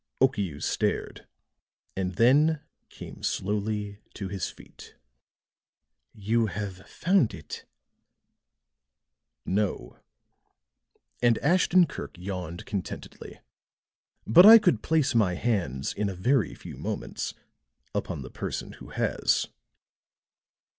Okiu stared, and then came slowly to his feet. "You have found it?" "No." And Ashton Kirk yawned contentedly. "But I could place my hands in a very few moments upon the person who has."